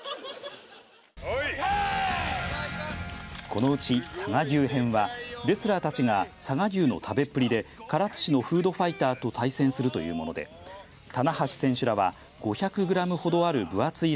このうち佐賀牛編はレスラーたちが佐賀牛の食べっぷりで唐津市のフードファイターと対戦するというもので棚橋選手らは５００グラムほどある分厚い